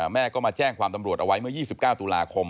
แม่ก็มาแจ้งความตำรวจเอาไว้เมื่อ๒๙ตุลาคม